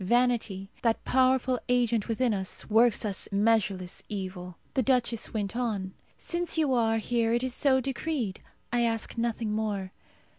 Vanity, that powerful agent within us, works us measureless evil. The duchess went on, "Since you are here, it is so decreed. I ask nothing more.